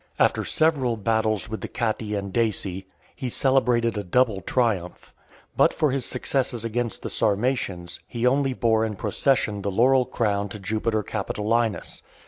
After several battles with the Catti and Daci, he celebrated a double triumph. But for his successes against the Sarmatians, he only bore in procession the laurel crown to Jupiter Capitolinus.